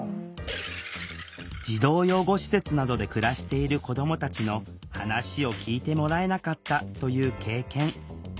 児童養護施設などで暮らしている子どもたちの話を聴いてもらえなかったという経験。